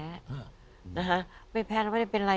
นะคะไม่แพ้ไม่ได้เป็นไร